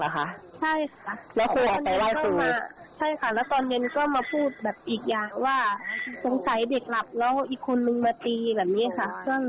คือครูเขาบอกว่า